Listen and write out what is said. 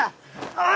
おい！